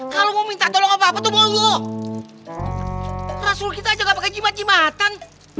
kalau mau minta tolong apa apa tuh molo rasul kita aja gak pakai jimat jimatan